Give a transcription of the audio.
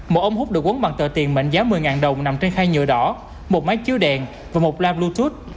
một ống hút được quấn bằng tờ tiền mệnh giá một mươi đồng nằm trên khai nhựa đỏ một máy chiếu đèn và một la bluetooth